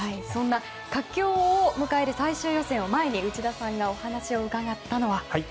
そんな佳境を迎える最終予選を前に内田さんがお話を伺ったのは。